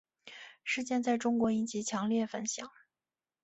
事件在中国引起强烈反响。